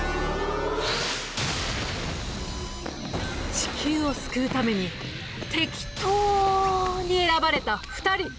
地球を救うためにてきとうに選ばれた２人。